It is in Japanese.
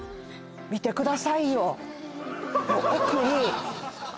見てくださいよ